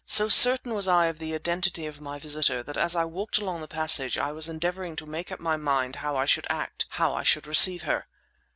So certain was I of the identity of my visitor that as I walked along the passage I was endeavouring to make up my mind how I should act, how I should receive her.